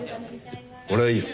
俺はいいよ。